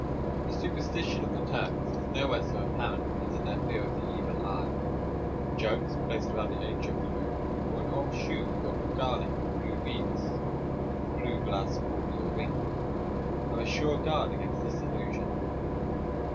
The superstition of the Turks is nowhere so apparent as in their fear of the "evil eye." Jugs placed around the edge of the roof, or an old shoe filled with garlic and blue beets (blue glass balls or rings) are a sure guard against this illusion.